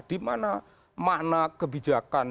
di mana makna kebijakan